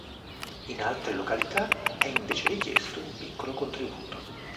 In altre località, è invece richiesto un piccolo contributo.